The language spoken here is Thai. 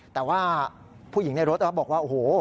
แต่ว่าผู้หญิงในรถบอกว่าโอ้โห